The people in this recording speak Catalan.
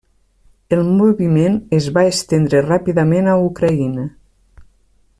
El moviment es va estendre ràpidament a Ucraïna.